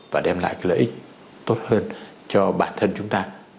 và đem lại lợi ích tốt hơn cho bản thân chúng ta